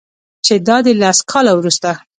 چې دادی لس کاله وروسته